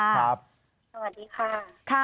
สวัสดีค่ะ